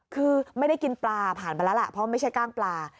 คือไม่ได้กินปลาผ่านไปแล้วล่ะเพราะไม่ใช่กล้างปลา